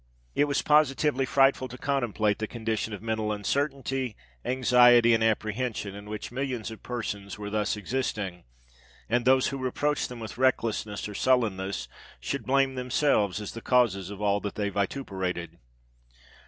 It was positively frightful to contemplate the condition of mental uncertainty, anxiety, and apprehension in which millions of persons were thus existing; and those who reproached them with recklessness or sullenness, should blame themselves as the causes of all that they vituperated.